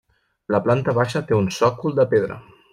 La planta baixa té un sòcol de pedra.